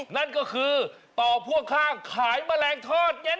นั่นก็คือต่อพ่วงข้างขายแมลงทอดเย็น